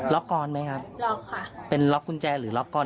ก่อนไหมครับล็อกค่ะเป็นล็อกกุญแจหรือล็อกกอน